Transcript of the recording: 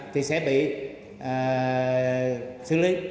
thì sẽ bị xử lý